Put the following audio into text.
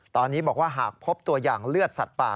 ตอนนี้บอกว่าหากพบตัวอย่างเลือดสัตว์ป่า